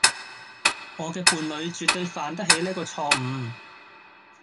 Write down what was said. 我嘅伴侶絕對犯得起呢個錯誤